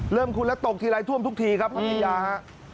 เริ่มคุ้นแล้วตกทีไร้ท่วมทุกทีครับพัทยา